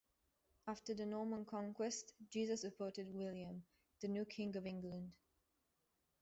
After the Norman Conquest, Gisa supported William, the new king of England.